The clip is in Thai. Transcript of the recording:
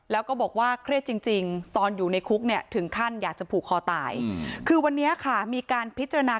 แล้วก็บอกว่าเครียดจริงตอนอยู่ในคุกเนี่ยถึงขั้นอยากจะผูกคอตายคือวันนี้ค่ะมีการพิจารณา